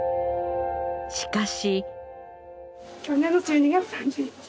しかし。